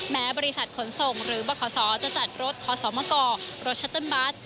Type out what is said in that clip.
แม้บริษัทขนส่งหรือบขจะจัดรถขอสมกรถชัตเติ้ลบัส